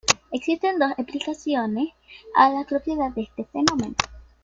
Existen dos explicaciones a las propiedades de este fenómeno.